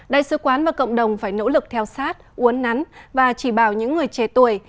đại sứ quán và cộng đồng phải nỗ lực theo sát uốn nắn và chỉ bảo những người trẻ tuổi